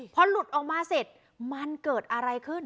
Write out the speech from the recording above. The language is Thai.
พอหลุดออกมาเสร็จมันเกิดอะไรขึ้น